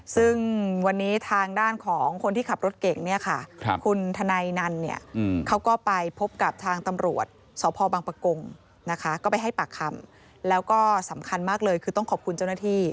ซึ่งวันนี้ทางด้านของคนที่ขับรถเก่งเนี่ยค่ะคุณทนายนันเนี่ยเขาก็ไปพบกับทางตำรวจสพบังปะกงนะคะก็ไปให้ปากคำแล้วก็สำคัญมากเลยคือต้องขอบคุณเจ้าหน้าที่